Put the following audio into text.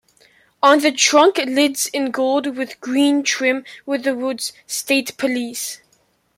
On the trunk lids in gold with green trim were the words "State Police".